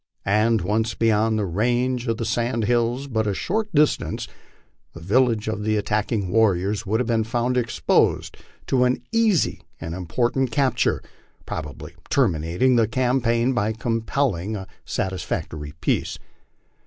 And once beyond the range of sand hills but a short distance, the villages of the attacking warriors would have been found exposed to an easy and important capture, probably terminating the campaign by compelling a sat isfactory peace.